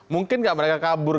mungkin gak mereka kabur